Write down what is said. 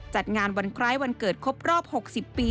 จัดงานวันคล้ายวันเกิดครบรอบ๖๐ปี